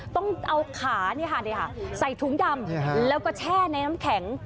ต้องเอาขาใส่ถุงดำแล้วก็แช่ในน้ำแข็ง